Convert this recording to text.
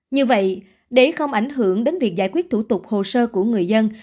như vậy để không ảnh hưởng đến việc giải quyết thủ tục hồ sơ của người dân